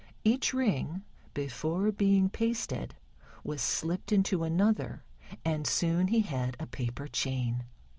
Each ring before being pasted, was slipped into another, and soon he had A paper chain.